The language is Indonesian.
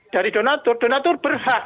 dari donator donator berhak